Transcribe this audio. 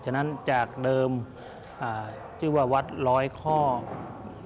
ฉะนั้นจากเดิมชื่อว่าวัดลอยเคราะห์